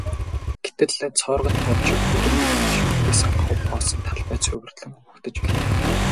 Гэтэл цооргонын год шиг бүдүүн бүдүүн иш үлдээсэн хов хоосон талбай цайвартан угтаж билээ.